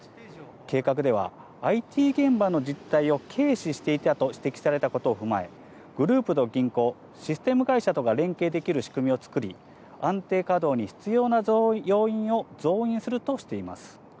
計画では、ＩＴ現場の実態を軽視していたと指摘されたことを踏まえ、グループと銀行、システム会社とが連携できる仕組みを作り、安定稼働に必要な要員を増員するとしています。